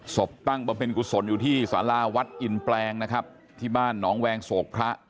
ตั้งบำเพ็ญกุศลอยู่ที่สาราวัดอินแปลงนะครับที่บ้านหนองแวงโศกพระ